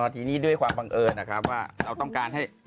ทีนี้ด้วยความบังเอิญนะครับว่าเราต้องการให้